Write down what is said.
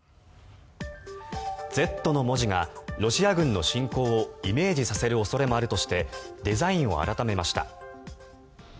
「Ｚ」の文字がロシア軍の侵攻をイメージさせる恐れもあるとしてデザインを改めました。